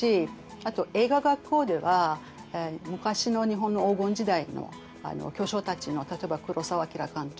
あと映画学校では昔の日本の黄金時代の巨匠たちの例えば黒澤明監督